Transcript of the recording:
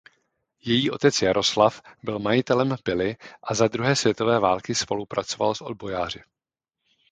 Její otec Jaroslav byl majitelem pily a za druhé světové války spolupracoval s odbojáři.